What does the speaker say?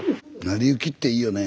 成り行きっていいよね。